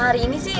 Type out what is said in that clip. hari ini sih